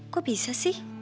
kok bisa sih